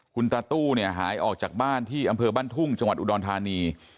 คุณตาตู้เนี่ยหายออกจากบ้านที่อำเภอบ้านทุ่งจังหวัดอุดรธานี